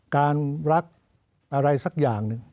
รักอะไรสักอย่างหนึ่ง